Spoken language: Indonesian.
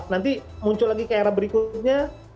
nanti muncul lagi ke era berikutnya